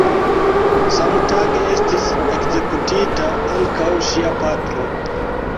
Samtage estis ekzekutita ankaŭ ŝia patro.